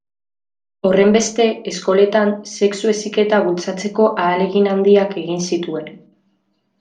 Horrenbestez, eskoletan sexu heziketa bultzatzeko ahalegin handiak egin zituen.